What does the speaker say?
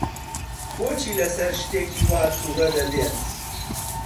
بۆچی لەسەر شتێکی وا تووڕە دەبێت؟